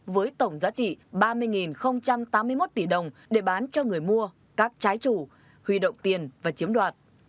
với tổng giá trị ba mươi tám mươi một tỷ đồng để bán cho người mua các trái chủ huy động tiền và chiếm đoạt